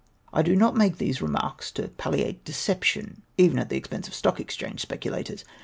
I do not make these remarks to palliate deception, even at the expense of Stock Exchange speculators.